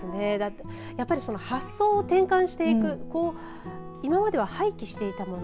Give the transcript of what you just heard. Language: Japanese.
発想を転換していくと今までは廃棄していたもの